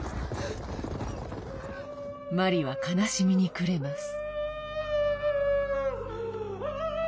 マリは悲しみに暮れます。